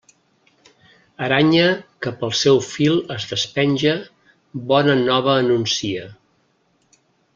Aranya que pel seu fil es despenja, bona nova anuncia.